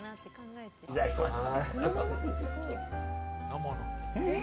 いただきます。